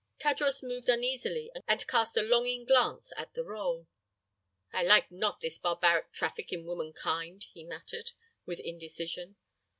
Tadros moved uneasily and cast a longing glance at the roll. "I like not this barbaric traffic in womankind," he muttered, with indecision.